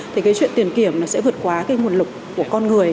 thì cái chuyện tiền kiểm nó sẽ vượt qua cái nguồn lực của con người